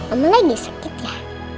omah lagi sakit ya